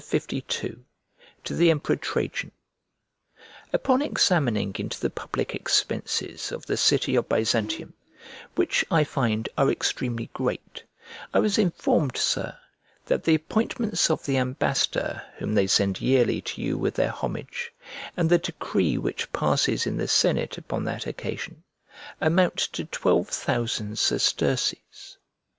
LII To THE EMPEROR TRAJAN UPON examining into the public expenses of the city of Byzantium, which, I find, are extremely great, I was informed, Sir, that the appointments of the ambassador whom they send yearly to you with their homage, and the decree which passes in the senate upon that occasion, amount to twelve thousand sesterces.